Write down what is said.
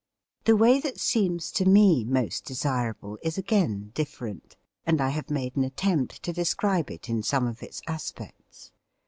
The way that seems to me most desirable is again different, and I have made an attempt to describe it in some of its aspects.